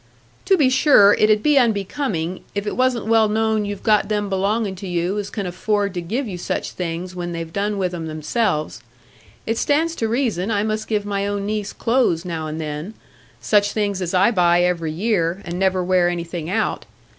"To be sure, it 'ud be unbecoming if it wasn't well known you've got them belonging to you as can afford to give you such things when they've done with 'em themselves. It stands to reason I must give my own niece clothes now and then,—such things as I buy every year, and never wear anything out.